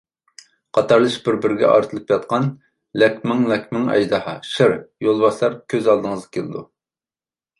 قاتارلىشىپ بىر-بىرگە ئارتىلىپ ياتقان لەكمىڭ-لەكمىڭ ئەجدىھا، شىر، يولۋاسلار كۆز ئالدىڭىزغا كېلىدۇ.